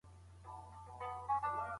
د خیر او نجات لپاره وو، نه د ژبي او قومي فخر